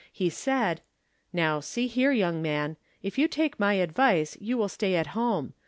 He said: " Now, see here, young man. If you take my advice you will stay at home.